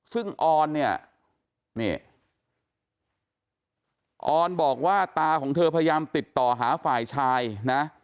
ซึ่งออนเนี่ยนี่ออนบอกว่าตาของเธอพยายามติดต่อหาฝ่ายชายนะ